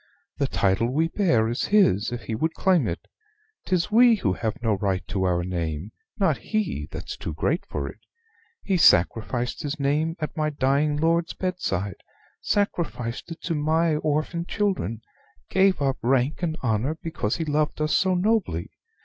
"The title we bear is his, if he would claim it. 'Tis we who have no right to our name: not he that's too great for it. He sacrificed his name at my dying lord's bedside sacrificed it to my orphan children; gave up rank and honor because he loved us so nobly.